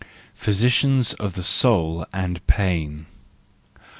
Physicians of the Soul and Pain